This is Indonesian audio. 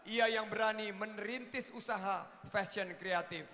ia yang berani menerintis usaha fashion kreatif